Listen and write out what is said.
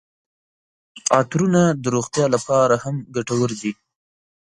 عطرونه د روغتیا لپاره هم ګټور دي.